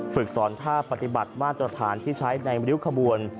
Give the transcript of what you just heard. ฝึกสอนท่าปฏิบัติมาตรฐานที่ใช้ในริ้วขบวน